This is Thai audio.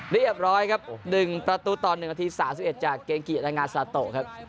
เรียบร้อยครับดึงประตูตอน๑นาที๓๑จากเกงกินอังงาสาโต